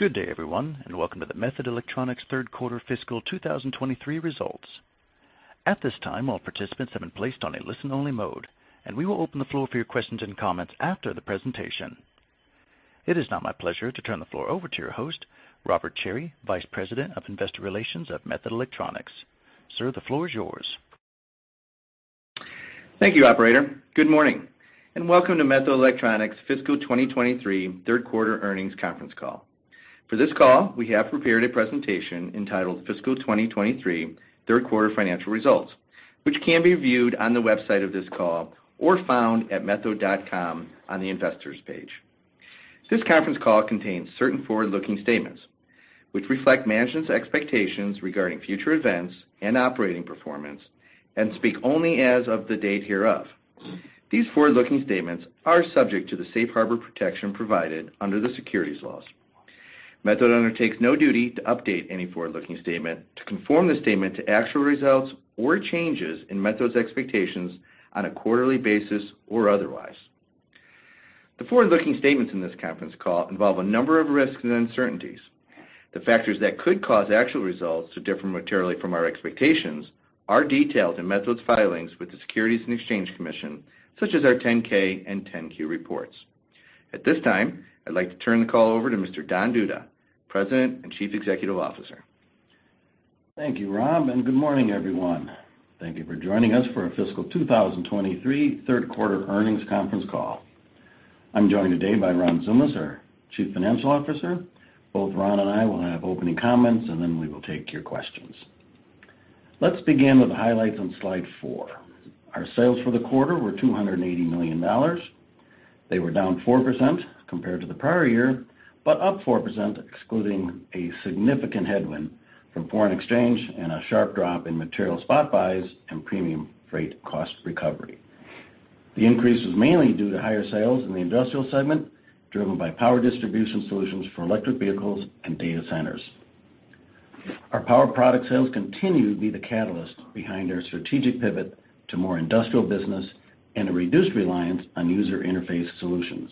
Good day, everyone. Welcome to the Methode Electronics third quarter fiscal 2023 results. At this time, all participants have been placed on a listen-only mode. We will open the floor for your questions and comments after the presentation. It is now my pleasure to turn the floor over to your host, Robert Cherry, Vice President of Investor Relations at Methode Electronics. Sir, the floor is yours. Thank you, operator. Good morning, and welcome to Methode Electronics fiscal 2023 third quarter earnings conference call. For this call, we have prepared a presentation entitled Fiscal 2023 Third Quarter Financial Results, which can be viewed on the website of this call or found at methode.com on the Investors page. This conference call contains certain forward-looking statements, which reflect management's expectations regarding future events and operating performance and speak only as of the date hereof. Methode undertakes no duty to update any forward-looking statement to conform the statement to actual results or changes in Methode's expectations on a quarterly basis or otherwise. The forward-looking statements in this conference call involve a number of risks and uncertainties. The factors that could cause actual results to differ materially from our expectations are detailed in Methode's filings with the Securities and Exchange Commission, such as our 10-K and 10-Q reports. At this time, I'd like to turn the call over to Mr. Don Duda, President and Chief Executive Officer. Thank you, Robert Cherry, good morning, everyone. Thank you for joining us for our fiscal 2023 third quarter earnings conference call. I'm joined today by Ron Tsoumas, our Chief Financial Officer. Both Ron and I will have opening comments, and then we will take your questions. Let's begin with the highlights on slide four. Our sales for the quarter were $280 million. They were down 4% compared to the prior year, but up 4% excluding a significant headwind from foreign exchange and a sharp drop in material spot buys and premium freight cost recovery. The increase was mainly due to higher sales in the industrial segment, driven by power distribution solutions for electric vehicles and data centers. Our power product sales continue to be the catalyst behind our strategic pivot to more industrial business and a reduced reliance on user interface solutions.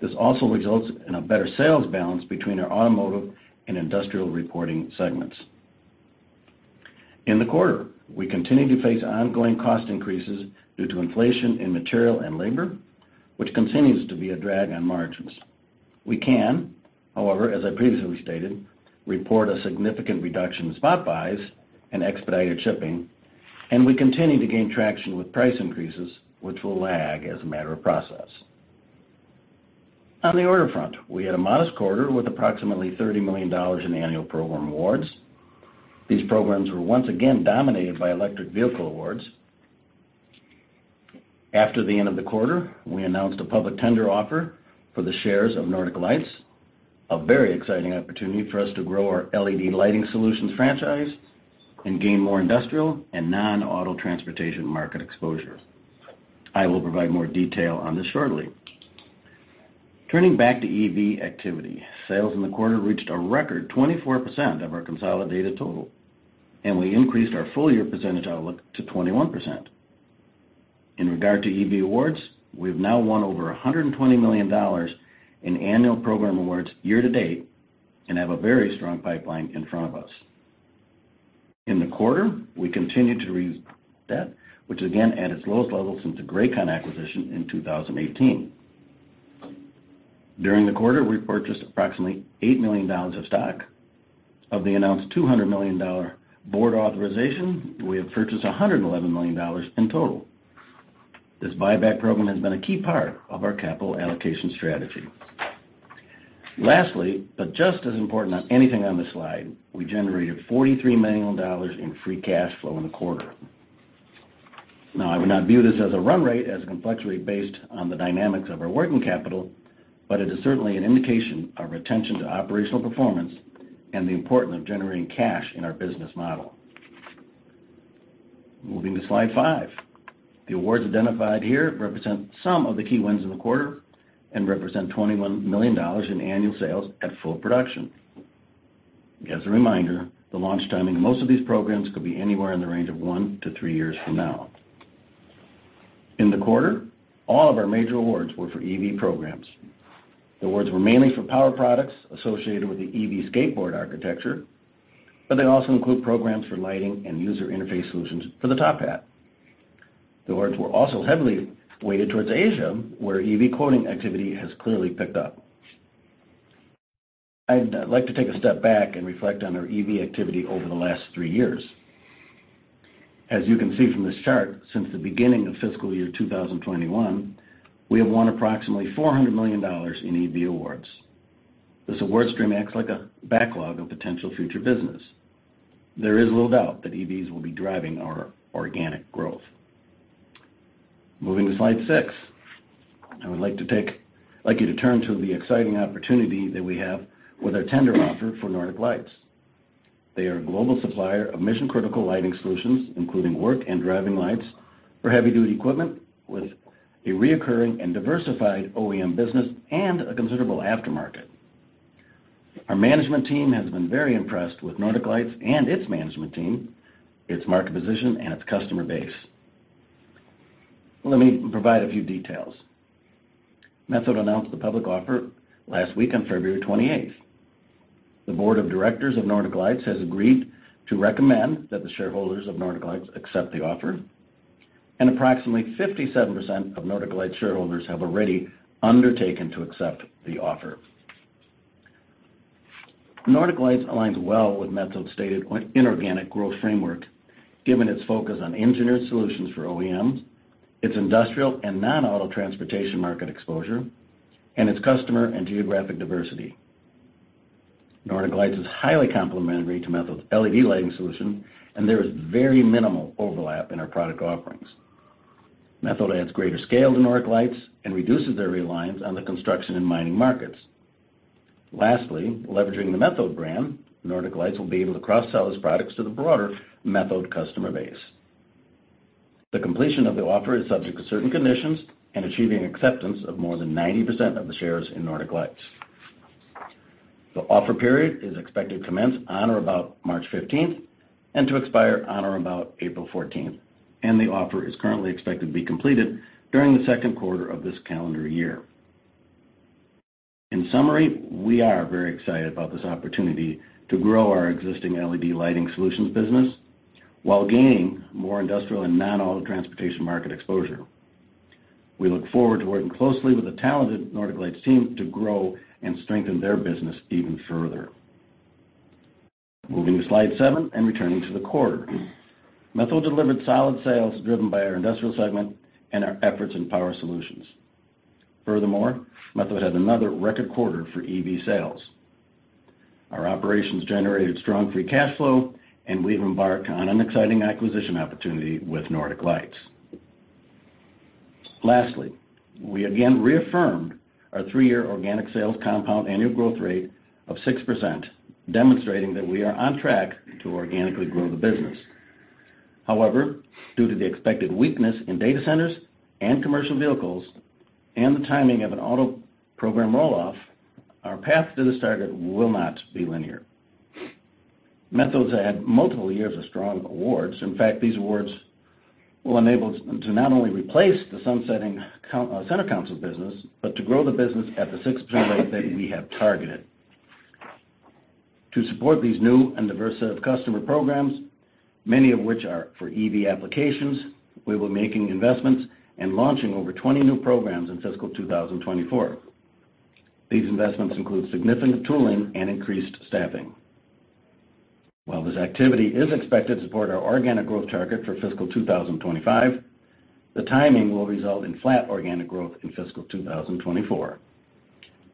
This also results in a better sales balance between our automotive and industrial reporting segments. In the quarter, we continued to face ongoing cost increases due to inflation in material and labor, which continues to be a drag on margins. We can, however, as I previously stated, report a significant reduction in spot buys and expedited shipping, and we continue to gain traction with price increases, which will lag as a matter of process. On the order front, we had a modest quarter with approximately $30 million in annual program awards. These programs were once again dominated by electric vehicle awards. After the end of the quarter, we announced a public tender offer for the shares of Nordic Lights, a very exciting opportunity for us to grow our LED lighting solutions franchise and gain more industrial and non-auto transportation market exposure. I will provide more detail on this shortly. Turning back to EV activity, sales in the quarter reached a record 24% of our consolidated total. We increased our full-year percentage outlook to 21%. In regard to EV awards, we've now won over $120 million in annual program awards year to date and have a very strong pipeline in front of us. In the quarter, we continued to raise debt, which again at its lowest level since the Grakon acquisition in 2018. During the quarter, we purchased approximately $8 million of stock. Of the announced $200 million board authorization, we have purchased $111 million in total. This buyback program has been a key part of our capital allocation strategy. Lastly, just as important as anything on this slide, we generated $43 million in free cash flow in the quarter. I would not view this as a run rate as complexity based on the dynamics of our working capital, but it is certainly an indication of our attention to operational performance and the importance of generating cash in our business model. Moving to slide five. The awards identified here represent some of the key wins in the quarter and represent $21 million in annual sales at full production. As a reminder, the launch timing of most of these programs could be anywhere in the range of one-three years from now. In the quarter, all of our major awards were for EV programs. The awards were mainly for power products associated with the EV skateboard architecture, but they also include programs for lighting and user interface solutions for the top hat. The awards were also heavily weighted towards Asia, where EV quoting activity has clearly picked up. I'd like to take a step back and reflect on our EV activity over the last three years. As you can see from this chart, since the beginning of fiscal year 2021, we have won approximately $400 million in EV awards. This award stream acts like a backlog of potential future business. There is little doubt that EVs will be driving our organic growth. Moving to slide six. I'd like you to turn to the exciting opportunity that we have with the tender offer for Nordic Lights. They are a global supplier of mission-critical lighting solutions, including work and driving lights for heavy-duty equipment with a reoccurring and diversified OEM business and a considerable aftermarket. Our management team has been very impressed with Nordic Lights and its management team, its market position, and its customer base. Let me provide a few details. Methode announced the public offer last week on February 28th. The board of directors of Nordic Lights has agreed to recommend that the shareholders of Nordic Lights accept the offer. Approximately 57% of Nordic Lights shareholders have already undertaken to accept the offer. Nordic Lights aligns well with Methode stated inorganic growth framework, given its focus on engineered solutions for OEMs, its industrial and non-auto transportation market exposure, and its customer and geographic diversity. Nordic Lights is highly complementary to Methode LED lighting solution, and there is very minimal overlap in our product offerings. Methode adds greater scale to Nordic Lights and reduces their reliance on the construction and mining markets. Lastly, leveraging the Methode brand, Nordic Lights will be able to cross-sell its products to the broader Methode customer base. The completion of the offer is subject to certain conditions and achieving acceptance of more than 90% of the shares in Nordic Lights. The offer period is expected to commence on or about March 15th and to expire on or about April 14th. The offer is currently expected to be completed during the 2Q of this calendar year. In summary, we are very excited about this opportunity to grow our existing LED lighting solutions business while gaining more industrial and non-auto transportation market exposure. We look forward to working closely with the talented Nordic Lights team to grow and strengthen their business even further. Moving to slide seven and returning to the quarter. Methode delivered solid sales driven by our industrial segment and our efforts in power solutions. Furthermore, Methode had another record quarter for EV sales. Our operations generated strong free cash flow, and we've embarked on an exciting acquisition opportunity with Nordic Lights. We again reaffirmed our three-year organic sales compound annual growth rate of 6%, demonstrating that we are on track to organically grow the business. Due to the expected weakness in data centers and commercial vehicles and the timing of an auto program roll-off, our path to this target will not be linear. Methode add multiple years of strong awards. These awards will enable us to not only replace the sunsetting center console business, but to grow the business at the 6% rate that we have targeted. To support these new and diverse set of customer programs, many of which are for EV applications, we will be making investments and launching over 20 new programs in fiscal 2024. These investments include significant tooling and increased staffing. While this activity is expected to support our organic growth target for fiscal 2025, the timing will result in flat organic growth in fiscal 2024.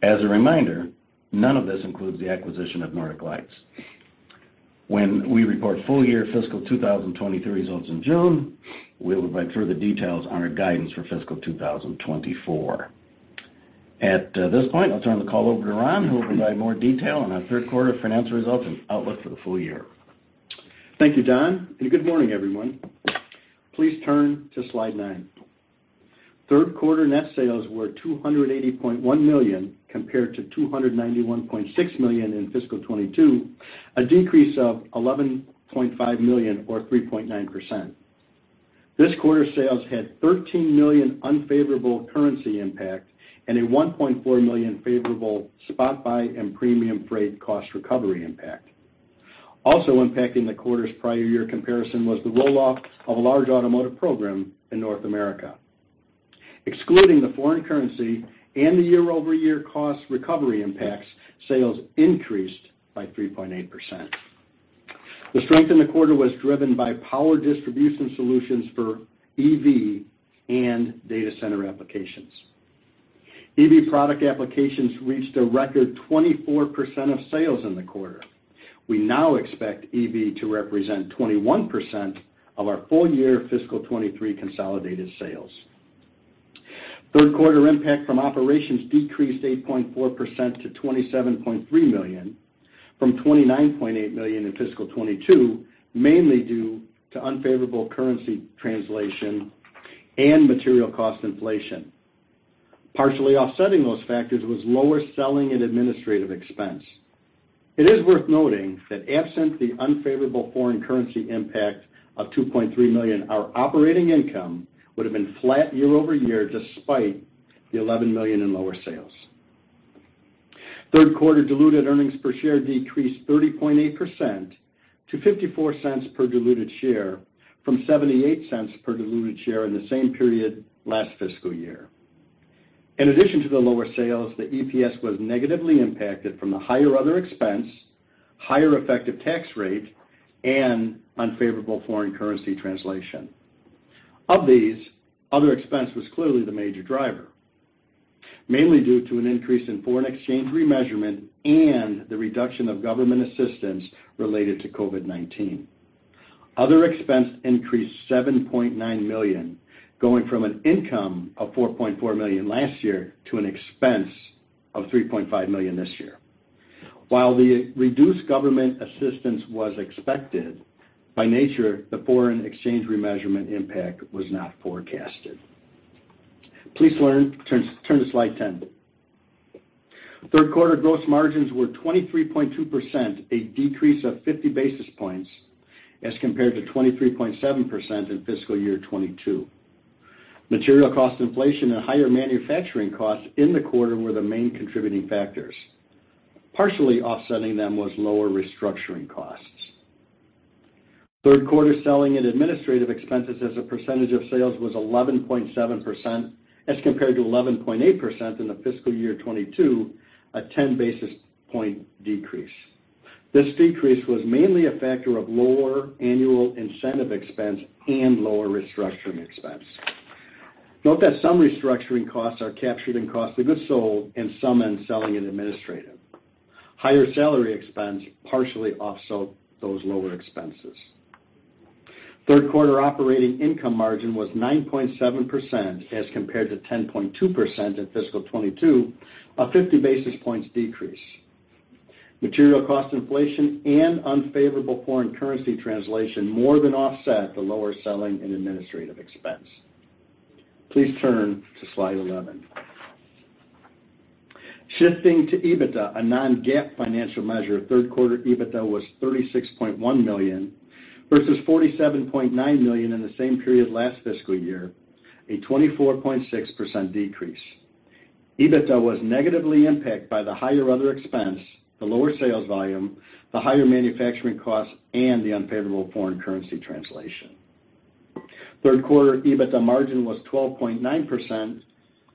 As a reminder, none of this includes the acquisition of Nordic Lights. When we report full-year fiscal 2023 results in June, we will provide further details on our guidance for fiscal 2024. At this point, I'll turn the call over to Ron, who will provide more detail on our third quarter financial results and outlook for the full year. Thank you, Don. Good morning, everyone. Please turn to slide nine. Third quarter net sales were $280.1 million, compared to $291.6 million in fiscal 2022, a decrease of $11.5 million or 3.9%. This quarter sales had $13 million unfavorable currency impact and a $1.4 million favorable spot buy and premium freight cost recovery impact. Impacting the quarter's prior year comparison was the roll-off of a large automotive program in North America. Excluding the foreign currency and the year-over-year cost recovery impacts, sales increased by 3.8%. The strength in the quarter was driven by power distribution solutions for EV and data center applications. EV product applications reached a record 24% of sales in the quarter. We now expect EV to represent 21% of our full-year fiscal 23 consolidated sales. Third quarter impact from operations decreased 8.4% to $27.3 million from $29.8 million in fiscal 22, mainly due to unfavorable currency translation and material cost inflation. Partially offsetting those factors was lower selling and administrative expense. It is worth noting that absent the unfavorable foreign currency impact of $2.3 million, our operating income would have been flat year-over-year despite the $11 million in lower sales. Third quarter diluted earnings per share decreased 30.8% to $0.54 per diluted share from $0.78 per diluted share in the same period last fiscal year. In addition to the lower sales, the EPS was negatively impacted from the higher other expense, higher effective tax rate, and unfavorable foreign currency translation. Of these, other expense was clearly the major driver, mainly due to an increase in foreign exchange remeasurement and the reduction of government assistance related to COVID-19. Other expense increased $7.9 million, going from an income of $4.4 million last year to an expense of $3.5 million this year. While the reduced government assistance was expected, by nature, the foreign exchange remeasurement impact was not forecasted. Please turn to slide 10. Third quarter gross margins were 23.2%, a decrease of 50 basis points as compared to 23.7% in fiscal year 2022. Material cost inflation and higher manufacturing costs in the quarter were the main contributing factors. Partially offsetting them was lower restructuring costs. Third quarter selling and administrative expenses as a percentage of sales was 11.7% as compared to 11.8% in the fiscal year 2022, a 10-basis point decrease. This decrease was mainly a factor of lower annual incentive expense and lower restructuring expense. Note that some restructuring costs are captured in cost of goods sold and some in selling and administrative. Higher salary expense partially offset those lower expenses. Third quarter operating income margin was 9.7% as compared to 10.2% in fiscal 2022, a 50 basis points decrease. Material cost inflation and unfavorable foreign currency translation more than offset the lower selling and administrative expense. Please turn to slide 11. Shifting to EBITDA, a non-GAAP financial measure, third quarter EBITDA was $36.1 million versus $47.9 million in the same period last fiscal year, a 24.6% decrease. EBITDA was negatively impacted by the higher other expense, the lower sales volume, the higher manufacturing costs, and the unfavorable foreign currency translation. Third quarter EBITDA margin was 12.9%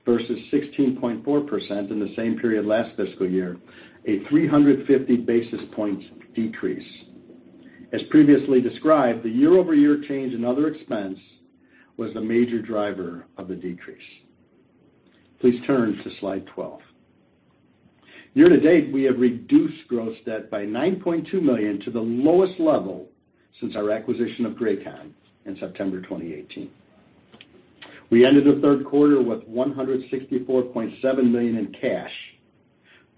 versus 16.4% in the same period last fiscal year, a 350 basis points decrease. As previously described, the year-over-year change in other expense was the major driver of the decrease. Please turn to slide 12. Year to date, we have reduced gross debt by $9.2 million to the lowest level since our acquisition of Grakon in September 2018. We ended the third quarter with $164.7 million in cash.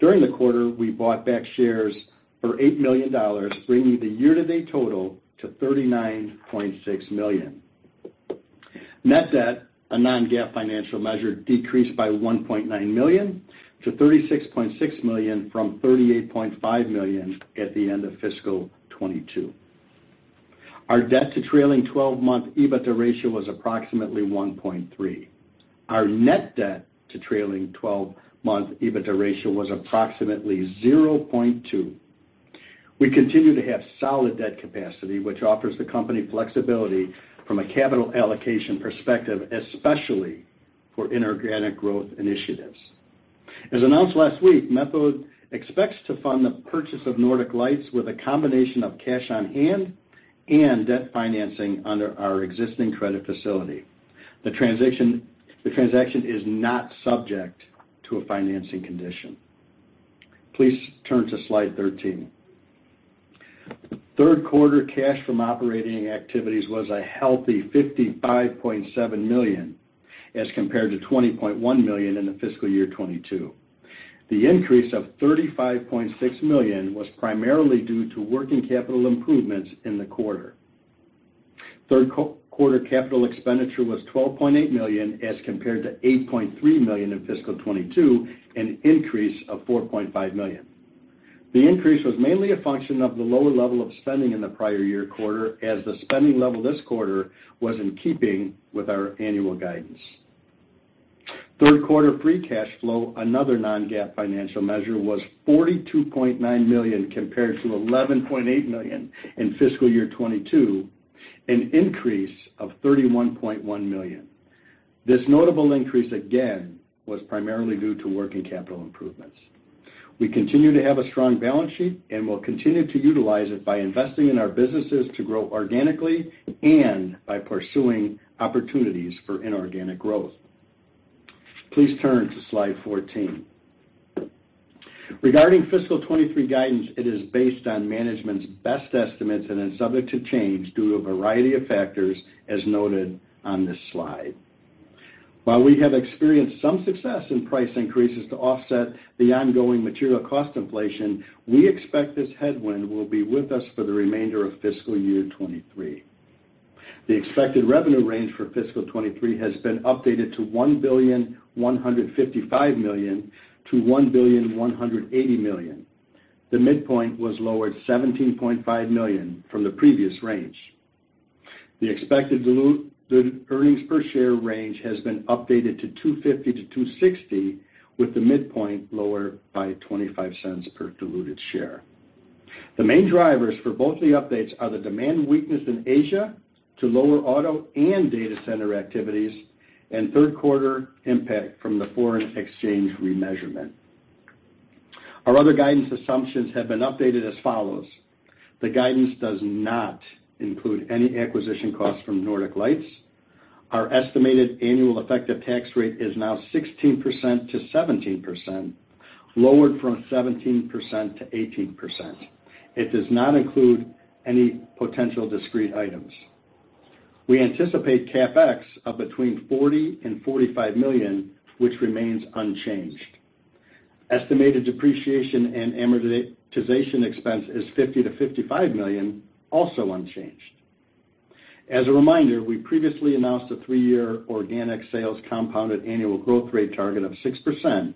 During the quarter, we bought back shares for $8 million, bringing the year-to-date total to $39.6 million. Net debt, a non-GAAP financial measure, decreased by $1.9 million-$36.6 million from $38.5 million at the end of fiscal 2022. Our debt to trailing 12-month EBITDA ratio was approximately 1.3. Our net debt to trailing 12-month EBITDA ratio was approximately 0.2. We continue to have solid debt capacity, which offers the company flexibility from a capital allocation perspective, especially for inorganic growth initiatives. As announced last week, Methode expects to fund the purchase of Nordic Lights with a combination of cash on hand and debt financing under our existing credit facility. The transaction is not subject to a financing condition. Please turn to slide 13. Third quarter cash from operating activities was a healthy $55.7 million as compared to $20.1 million in the fiscal year 2022. The increase of $35.6 million was primarily due to working capital improvements in the quarter. Third quarter CapEx was $12.8 million as compared to $8.3 million in fiscal 2022, an increase of $4.5 million. The increase was mainly a function of the lower level of spending in the prior year quarter as the spending level this quarter was in keeping with our annual guidance. Third quarter free cash flow, another non-GAAP financial measure, was $42.9 million compared to $11.8 million in fiscal year 2022, an increase of $31.1 million. This notable increase, again, was primarily due to working capital improvements. We continue to have a strong balance sheet and will continue to utilize it by investing in our businesses to grow organically and by pursuing opportunities for inorganic growth. Please turn to slide 14. Regarding fiscal 23 guidance, it is based on management's best estimates and is subject to change due to a variety of factors, as noted on this slide. While we have experienced some success in price increases to offset the ongoing material cost inflation, we expect this headwind will be with us for the remainder of fiscal year 23. The expected revenue range for fiscal 23 has been updated to $1.155 billion-$1.18 billion. The midpoint was lowered $17.5 million from the previous range. The expected diluted earnings per share range has been updated to $2.50-$2.60, with the midpoint lower by $0.25 per diluted share. The main drivers for both the updates are the demand weakness in Asia to lower auto and data center activities and third quarter impact from the foreign exchange remeasurement. Our other guidance assumptions have been updated as follows. The guidance does not include any acquisition costs from Nordic Lights. Our estimated annual effective tax rate is now 16%-17%, lowered from 17%-18%. It does not include any potential discrete items. We anticipate CapEx of between $40 million and $45 million, which remains unchanged. Estimated depreciation and amortization expense is $50 million-$55 million, also unchanged. As a reminder, we previously announced three-year organic sales compounded annual growth rate target of 6%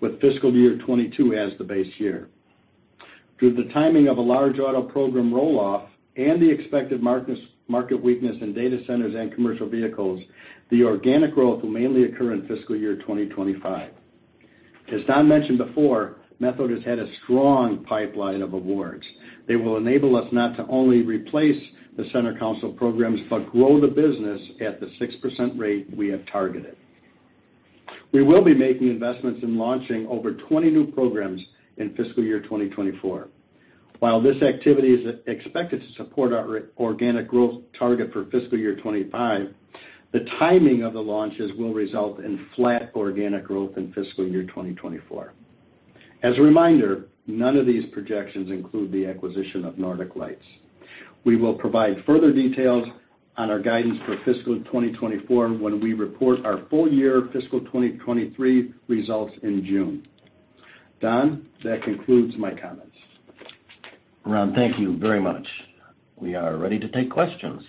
with fiscal year 2022 as the base year. Due to the timing of a large auto program roll-off and the expected market weakness in data centers and commercial vehicles, the organic growth will mainly occur in fiscal year 2025. As Don Duda mentioned before, Methode has had a strong pipeline of awards. They will enable us not to only replace the center console programs but grow the business at the 6% rate we have targeted. We will be making investments in launching over 20 new programs in fiscal year 2024. While this activity is expected to support our organic growth target for fiscal year 2025, the timing of the launches will result in flat organic growth in fiscal year 2024. As a reminder, none of these projections include the acquisition of Nordic Lights. We will provide further details on our guidance for fiscal 2024 when we report our full year fiscal 2023 results in June. Don, that concludes my comments. Ron, thank you very much. We are ready to take questions.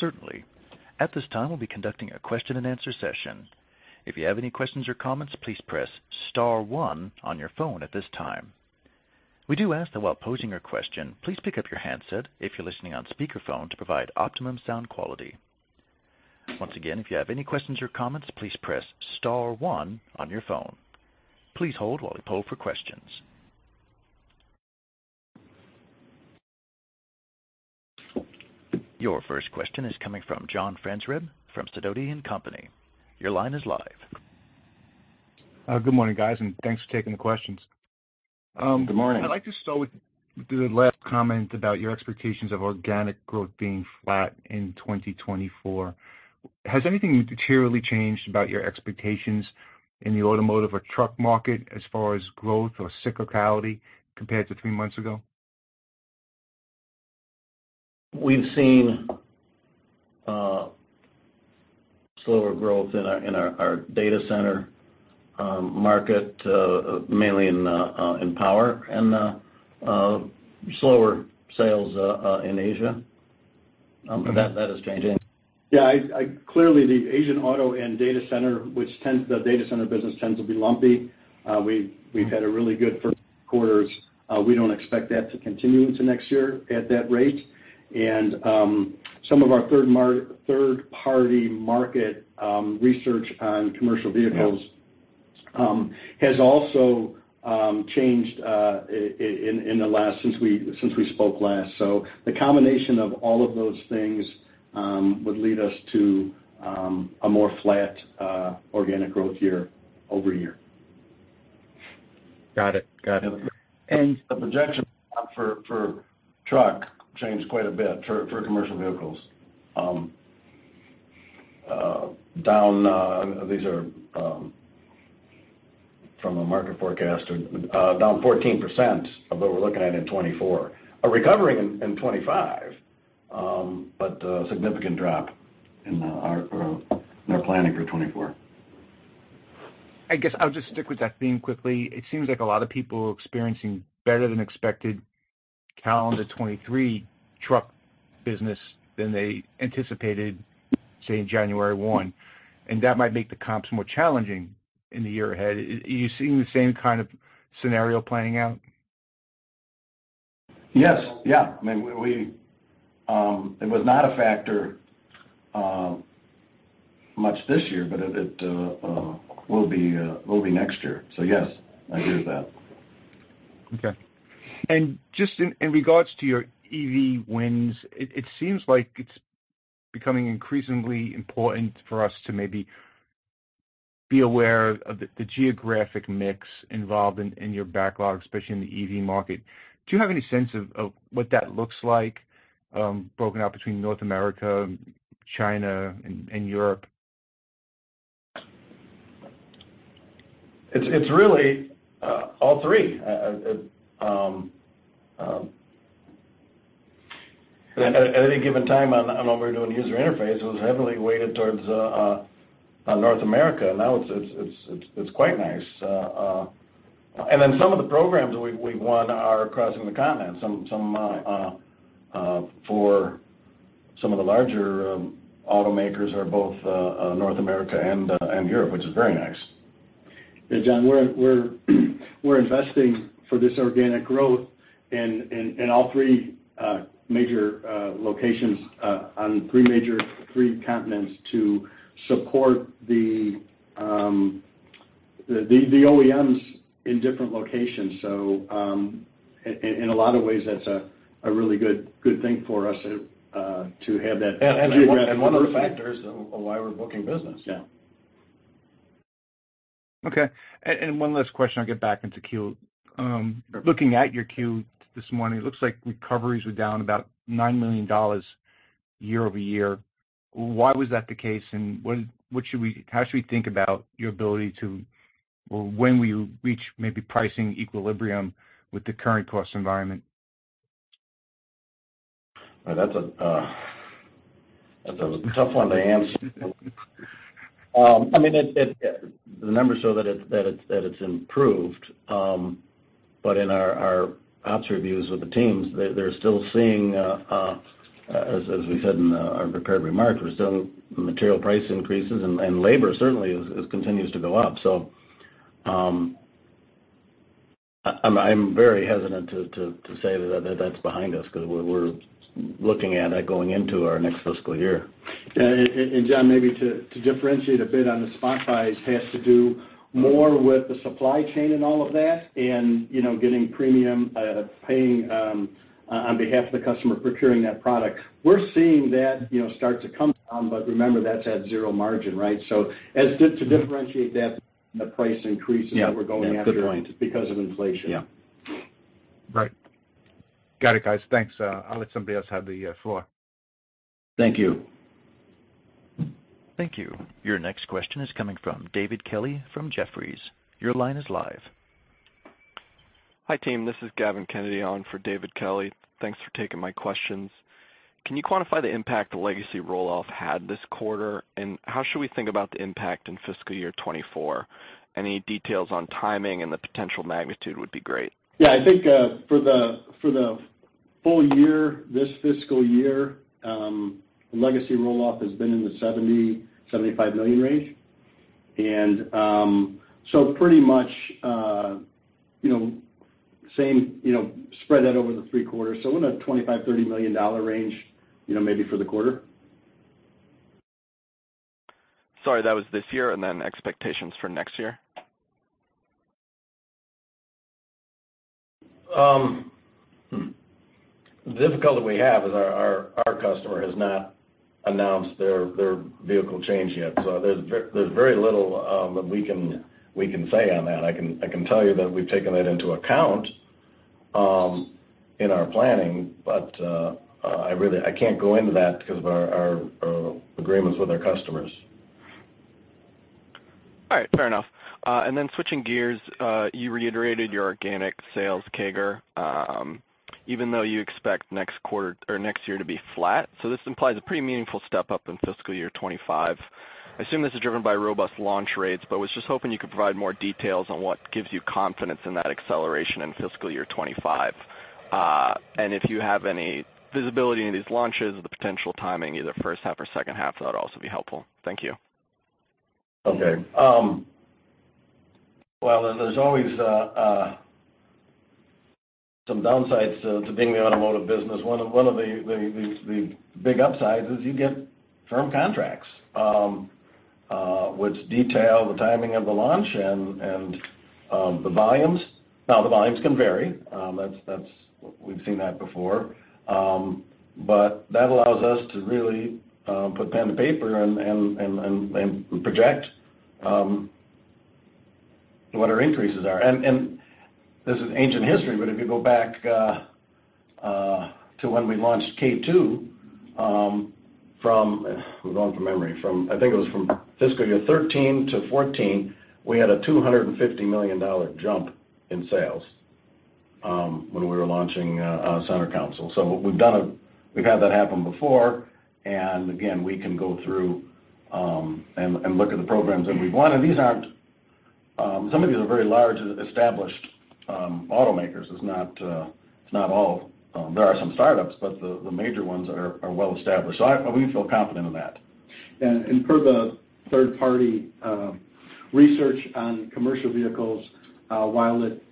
Certainly. At this time, we'll be conducting a question-and-answer session. If you have any questions or comments, please press star one on your phone at this time. We do ask that while posing your question, please pick up your handset if you're listening on speakerphone to provide optimum sound quality. Once again, if you have any questions or comments, please press star one on your phone. Please hold while we poll for questions. Your first question is coming from John Franzreb from Sidoti & Company. Your line is live. Good morning, guys, and thanks for taking the questions. Good morning. I'd like to start with the last comment about your expectations of organic growth being flat in 2024. Has anything materially changed about your expectations in the automotive or truck market as far as growth or cyclicality compared to three months ago? We've seen slower growth in our data center market, mainly in power and slower sales in Asia. That is changing. Yeah, I clearly, the Asian auto and data center, which the data center business tends to be lumpy. We've had a really good first quarters. We don't expect that to continue into next year at that rate. Some of our third-party market research on commercial vehicles has also changed in the last since we spoke last. The combination of all of those things would lead us to a more flat organic growth year-over-year. Got it. Got it. The projection for truck changed quite a bit for commercial vehicles. These are from a market forecaster, down 14% of what we're looking at in 2024. A recovery in 2025, but a significant drop in our planning for 2024. I guess I'll just stick with that theme quickly. It seems like a lot of people are experiencing better than expected calendar 2023 truck business than they anticipated, say, January 1. That might make the comps more challenging in the year ahead. Are you seeing the same kind of scenario playing out? Yes. Yeah. I mean, we, it was not a factor, much this year, but it, will be, will be next year. Yes, I hear that. Okay. Just in regards to your EV wins, it seems like it's becoming increasingly important for us to maybe be aware of the geographic mix involved in your backlog, especially in the EV market. Do you have any sense of what that looks like, broken out between North America, China, and Europe? It's really all three. At any given time on what we were doing user interface, it was heavily weighted towards North America. Now it's quite nice. Then some of the programs that we've won are crossing the continent. Some for some of the larger automakers are both North America and Europe, which is very nice. Yeah, John, we're investing for this organic growth in all three major locations on three major continents to support the OEMs in different locations. In a lot of ways, that's a really good thing for us, to have that geographic diversity. One of the factors of why we're booking business. Yeah. Okay. One last question, I'll get back into queue. Looking at your queue this morning, it looks like recoveries were down about $9 million year-over-year. Why was that the case? How should we think about your ability to or when we reach maybe pricing equilibrium with the current cost environment? That's a tough one to answer. I mean, the numbers show that it's improved, but in our ops reviews with the teams, they're still seeing, as we said in our prepared remarks, material price increases and labor certainly continues to go up. I'm very hesitant to say that that's behind us because we're looking at it going into our next fiscal year. Yeah. John, maybe to differentiate a bit on the spot buys has to do more with the supply chain and all of that and, you know, getting premium paying on behalf of the customer procuring that product. We're seeing that, you know, start to come down. Remember that's at zero margin, right? As to differentiate that, the price increases that we're going after. Yeah. Good point. Because of inflation. Yeah. Right. Got it, guys. Thanks. I'll let somebody else have the floor. Thank you. Thank you. Your next question is coming from David Kelley from Jefferies. Your line is live. Hi, team. This is Gavin Kennedy on for David Kelley. Thanks for taking my questions. Can you quantify the impact the legacy roll-off had this quarter? How should we think about the impact in fiscal year 2024? Any details on timing and the potential magnitude would be great. Yeah. I think, for the full year, this fiscal year, legacy roll-off has been in the $70 million-$75 million range. Pretty much, you know, same, spread that over the three quarters. In a $25 million-$30 million range, you know, maybe for the quarter. Sorry, that was this year and then expectations for next year. The difficulty we have is our customer has not announced their vehicle change yet. There's very little that we can say on that. I can tell you that we've taken that into account in our planning, I really. I can't go into that because of our agreements with our customers. All right. Fair enough. Switching gears, you reiterated your organic sales CAGR, even though you expect next quarter or next year to be flat. This implies a pretty meaningful step-up in fiscal year 25. I assume this is driven by robust launch rates, but was just hoping you could provide more details on what gives you confidence in that acceleration in fiscal year 25. If you have any visibility in these launches, the potential timing, either first half or second half, that would also be helpful. Thank you. Okay. Well, there's always some downsides to being in the automotive business. One of the big upsides is you get firm contracts, which detail the timing of the launch and the volumes. Now, the volumes can vary. We've seen that before. That allows us to really put pen to paper and project what our increases are. This is ancient history, but if you go back to when we launched K2, I'm going from memory. From, I think it was from fiscal year 13-14, we had a $250 million jump in sales when we were launching center console. We've had that happen before. Again, we can go through and look at the programs that we've won. These aren't some of these are very large established automakers. It's not, it's not all, there are some startups, but the major ones are well established. We feel confident in that. Per the third party research on commercial vehicles, while it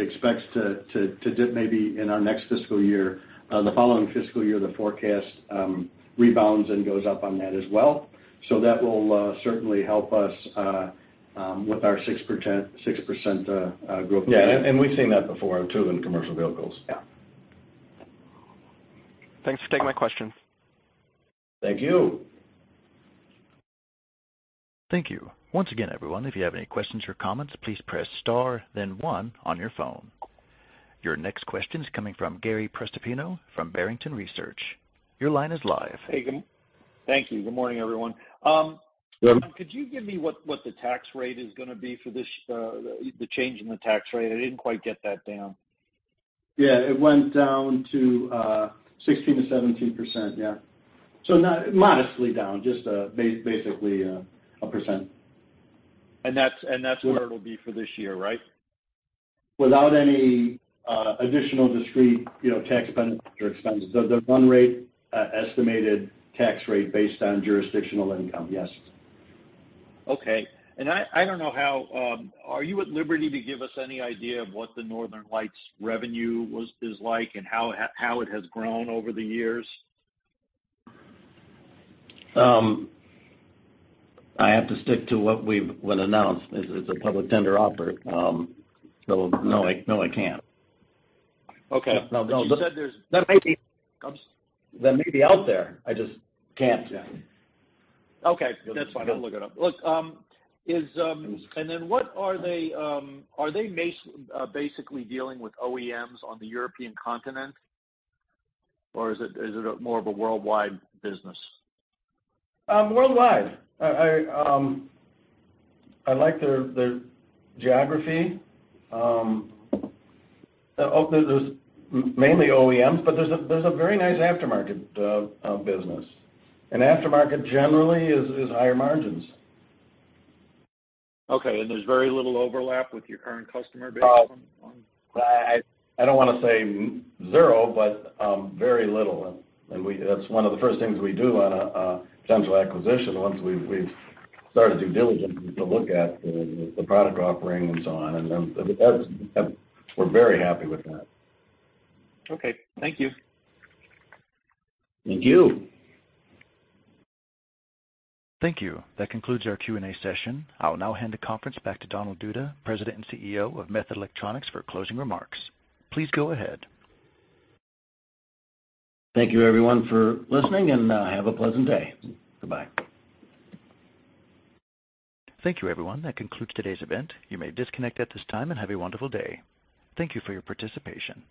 expects to dip maybe in our next fiscal year, the following fiscal year, the forecast rebounds and goes up on that as well. That will certainly help us with our 6% growth. Yeah. We've seen that before too, in commercial vehicles. Yeah. Thanks for taking my questions. Thank you. Thank you. Once again, everyone, if you have any questions or comments, please press star then one on your phone. Your next question is coming from Gary Prestopino from Barrington Research. Your line is live. Hey, thank you. Good morning, everyone. Good morning. Could you give me what the tax rate is going to be for this, the change in the tax rate? I didn't quite get that down. Yeah. It went down to 16%-17%. Yeah. Not... Modestly down, just, basically, 1%. That's where it'll be for this year, right? Without any additional discrete, you know, tax benefits or expenses. The run rate estimated tax rate based on jurisdictional income, yes. Okay. I don't know how, are you at liberty to give us any idea of what the Nordic Lights revenue is like and how it has grown over the years? I have to stick to what announced. It's, it's a public tender offer. No, I, no, I can't. Okay. No, no. You said. That may be. I'm. That may be out there. I just can't say. Okay. That's fine. You'll look it up. Look, what are they basically dealing with OEMs on the European continent? Is it a more of a worldwide business? Worldwide. I like their geography. There's mainly OEMs, but there's a very nice aftermarket business. Aftermarket generally is higher margins. Okay. There's very little overlap with your current customer base on. I don't wanna say zero, but very little. That's one of the first things we do on a potential acquisition. Once we've started due diligence, is to look at the product offering and so on. We're very happy with that. Okay. Thank you. Thank you. Thank you. That concludes our Q&A session. I will now hand the conference back to Donald Duda, President and CEO of Methode Electronics, for closing remarks. Please go ahead. Thank you everyone for listening, and, have a pleasant day. Goodbye. Thank you, everyone. That concludes today's event. You may disconnect at this time and have a wonderful day. Thank you for your participation.